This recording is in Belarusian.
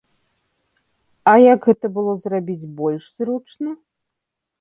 А як гэта было зрабіць больш зручна?